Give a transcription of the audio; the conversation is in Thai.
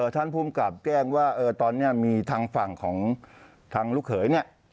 ท่านภูมิกับแจ้งว่าตอนนี้มีทางฝั่งของทางลูกเขยเนี่ย